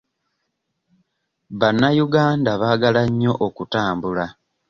Bannayuganda baagala nnyo okutambula.